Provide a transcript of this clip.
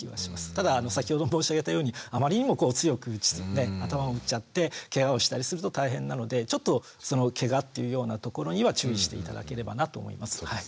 ただ先ほど申し上げたようにあまりにも強く頭を打っちゃってケガをしたりすると大変なのでちょっとそのケガっていうようなところには注意して頂ければなと思います。